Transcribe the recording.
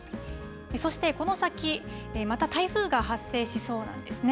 そしてこの先、また台風が発生しそうなんですね。